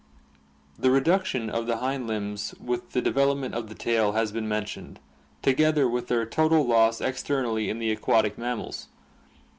The reduction of the hind limbs with the development of the tail has been mentioned, together with their total loss externally in the aquatic mammals.